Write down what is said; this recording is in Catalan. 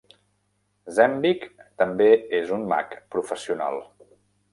Zembic també és un mag professional.